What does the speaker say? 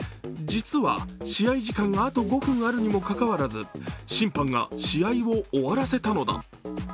実は試合時間があと５分あるにもかかわらず、審判が試合を終わらせたのだ。